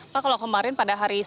pak kalau kemarin pada hari